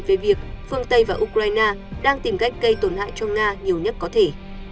về việc phương tây và ukraine đang tìm cách gây tổn hại cho nga nhiều nhất có thể